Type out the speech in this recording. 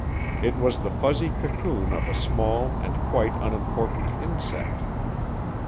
It was the fuzzy cocoon of a small and quite unimportant insect.